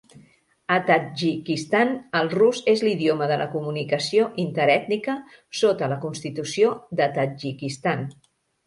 A Tadjikistan, el rus és l"idioma de la comunicació inter-ètnica sota la constitució de Tadjikistan.